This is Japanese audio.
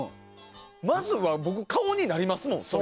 まずは僕、買おうになりますもん。